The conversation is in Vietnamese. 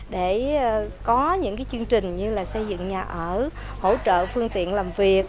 để có những chương trình như xây dựng nhà ở hỗ trợ phương tiện làm việc